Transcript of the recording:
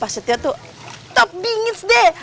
pak setio tuh top bingits deh